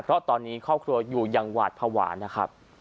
เพราะตอนนี้ครอบครัวกลัวอยู่ตำรวจอยากกำลังไหว